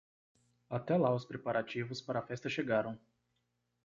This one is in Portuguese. Até lá os preparativos para a festa chegaram.